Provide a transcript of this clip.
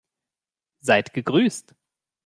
Seid gegrüßt!